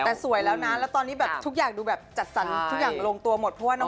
แต่สวยแล้วนะแล้วตอนนี้แบบทุกอย่างดูแบบจัดสรรค์ทุกอย่างลงตัวหมด